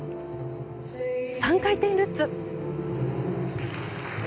３回転ルッツ。